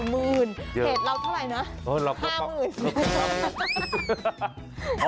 เพจเราเท่าไหร่นะ